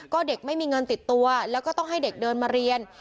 ก็เด็กไม่มีเงินติดตัวแล้วก็ต้องให้เด็กเดินมาเรียน